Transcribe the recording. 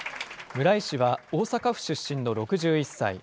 村井氏は大阪府出身の６１歳。